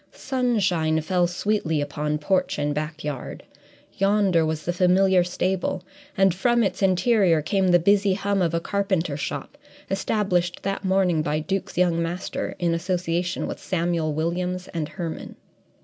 Sunshine fell sweetly upon porch and backyard; yonder was the familiar stable, and from its interior came the busy hum of a carpenter shop, established that morning by Duke's young master, in association with Samuel Williams and Herman.